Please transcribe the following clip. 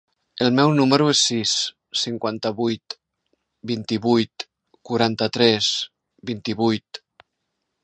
El meu número es el sis, cinquanta-vuit, vint-i-vuit, quaranta-tres, vint-i-vuit.